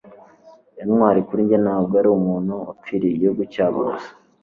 intwari kuri njye ntabwo ari umuntu wapfiriye igihugu cyabo gusa